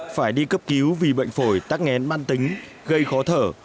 phải đi cấp cứu vì bệnh phổi tắc nghén man tính gây khó thở